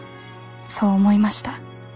そう思いました。